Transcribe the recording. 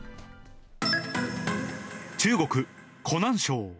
中国・湖南省。